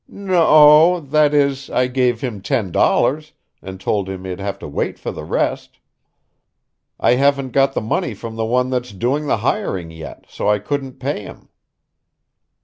"No o that is, I gave him ten dollars, and told him he'd have to wait for the rest. I haven't got the money from the one that's doing the hiring yet, so I couldn't pay him."